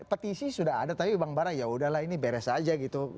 petisi sudah ada tapi bang bara yaudahlah ini beres aja gitu